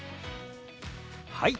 はい！